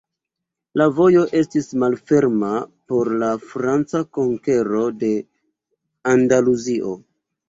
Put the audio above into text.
La vojo estis malferma por la franca konkero de Andaluzio.